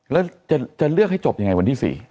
แล้วจะเลือกให้จบยังไงวันที่๔